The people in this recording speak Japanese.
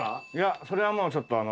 それはもうちょっとあの。